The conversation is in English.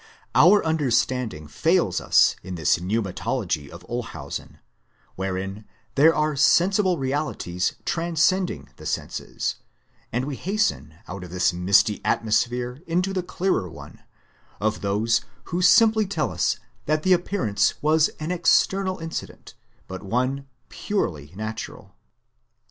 Our understanding fails us in this pneumatology of Olshausen, wherein there are sensible realities transcending the senses ; and we hasten out of this misty atmosphere into the clearer one of those, who simply tell us, that the appearance was an external incident, but one purely natural.